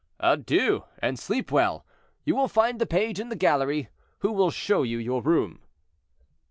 "Adieu! and sleep well. You will find the page in the gallery, who will show you your room."